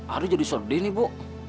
adi jadi sordin ibu